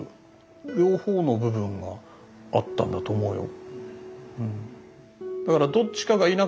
両方の部分があったんだと思うよ。